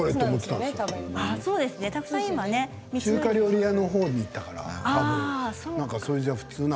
中華料理屋のほうに行ったからかな？